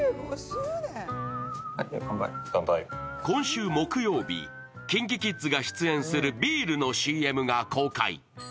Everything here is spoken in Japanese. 今週木曜日、ＫｉｎＫｉＫｉｄｓが出演するビールのＣＭが公開。